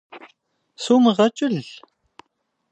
Сумыгъэкӏыл!